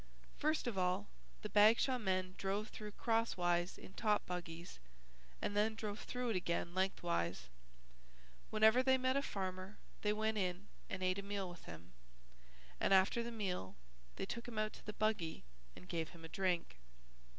First of all the Bagshaw men drove through crosswise in top buggies and then drove through it again lengthwise. Whenever they met a farmer they went in and ate a meal with him, and after the meal they took him out to the buggy and gave him a drink.